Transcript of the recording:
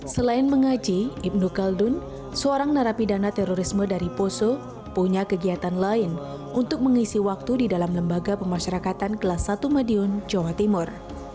selain mengaji ibnu kaldun seorang narapidana terorisme dari poso punya kegiatan lain untuk mengisi waktu di dalam lembaga pemasyarakatan kelas satu madiun jawa timur